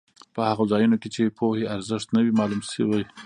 په هغو ځایونو کې چې پوهې ارزښت نه وي معلوم شوی.